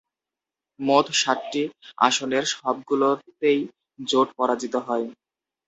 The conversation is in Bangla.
মোট সাতটি আসনের সবগুলোতেই জোট পরাজিত হয়।